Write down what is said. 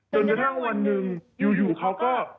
จนกระทั่งวันหนึ่งอยู่เขาก็